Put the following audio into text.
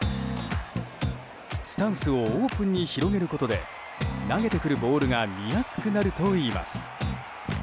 スタンスをオープンに広げることで投げてくるボールが見やすくなるといいます。